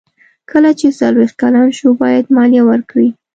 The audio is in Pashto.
کله چې څلویښت کلن شو باید مالیه ورکړي.